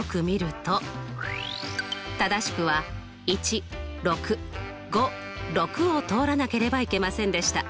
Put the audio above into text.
正しくはを通らなければいけませんでした。